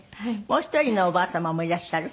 もう１人のおばあ様もいらっしゃる？